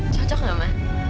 cocok enggak ma